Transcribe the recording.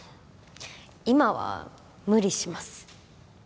今は無理します